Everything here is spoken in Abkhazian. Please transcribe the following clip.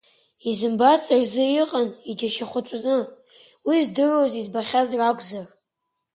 Изымбац рзы иҟан иџьашьахәатәны, уи здыруаз, избахьаз ракәзар…